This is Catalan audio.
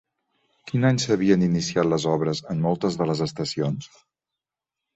Quin any s'havien iniciat les obres en moltes de les estacions?